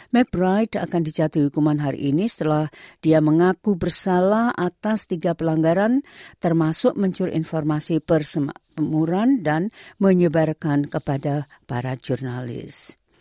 mck bright akan dijatuhi hukuman hari ini setelah dia mengaku bersalah atas tiga pelanggaran termasuk mencuri informasi persemamuran dan menyebarkan kepada para jurnalis